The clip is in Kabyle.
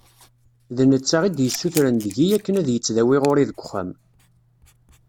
D netta i d-yessutren deg-i akken ad yettdawi ɣur-i deg uxxam.